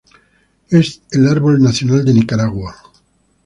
Es el árbol nacional de Nicaragua.